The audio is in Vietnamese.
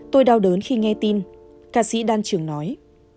tôi đau đớn khi nghe tin ca sĩ đan trường nói